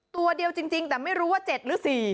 ตัวเดียวจริงแต่ไม่รู้ว่า๗หรือ๔